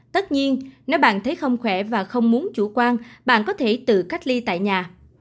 tất nhiên nếu bạn thấy không khỏe và không muốn chủ quan bạn có thể tự cách ly tại nhà